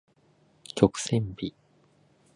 曲線美